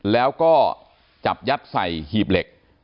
แล้วก็จับยัดใส่หีบเหล็ก